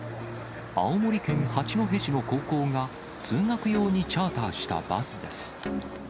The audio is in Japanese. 青森県八戸市の高校が、通学用にチャーターしたバスです。